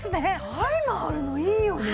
タイマーあるのいいよね。